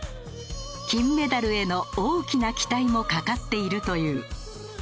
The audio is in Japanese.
金メダルへの大きな期待も懸かっているという。